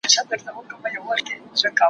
زه به اوږده موده د ليکلو تمرين کړی وم،